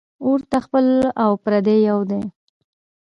اور ته خپل او پردي یو دي